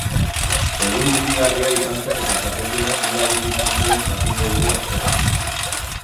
Egun hunkigarria izan zen eta txapeldunak nola bizi izan zuen jakingo dugu asteon.